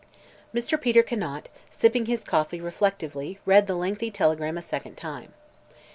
Mr. Peter Conant, sipping his coffee reflectively, read the lengthy telegram a second time.